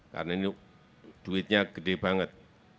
karena ini duitnya gede banget